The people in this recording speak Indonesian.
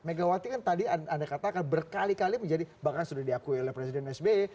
megawati kan tadi anda katakan berkali kali menjadi bahkan sudah diakui oleh presiden sby